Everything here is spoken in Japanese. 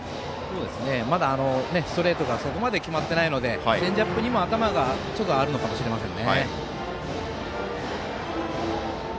まだストレートがそこまで決まってないのでチェンジアップにも頭がちょっとあるのかもしれません。